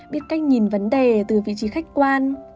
biết cách nhìn vấn đề từ vị trí khách quan